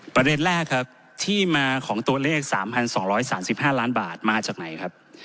ประเด็นแรกครับที่มาของตัวเลข๓๒๓๕ล้านบาทมาจากไหนครับ